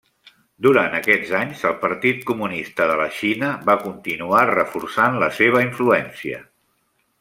Durant aquests anys, el Partit Comunista de la Xina va continuar reforçant la seva influència.